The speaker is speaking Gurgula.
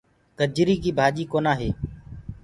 گجري ڪي ڀآجي ڪونآ هئي۔